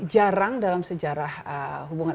jarang dalam sejarah hubungan